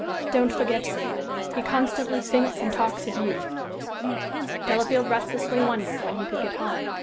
Don't forget him. He constantly thinks and talks of you." Delafield restlessly wondered when he could get home.